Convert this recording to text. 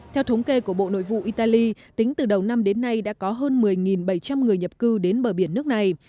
theo thống kê của bộ nội vụ italy tính từ đầu năm đến nay đã có hơn một mươi bảy trăm linh người nhập cư đến bờ biển nước này